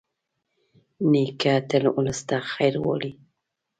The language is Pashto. نیکه تل ولس ته خیر غواړي.